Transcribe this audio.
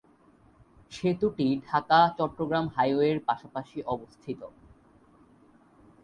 সেতুটি ঢাকা-চট্টগ্রাম হাইওয়ের পাশাপাশি অবস্থিত।